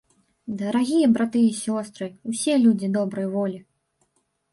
Дарагія браты і сёстры, усе людзі добрай волі!